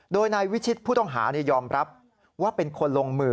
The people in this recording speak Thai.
โดยนายวิชิตผู้ต้องหายอมรับว่าเป็นคนลงมือ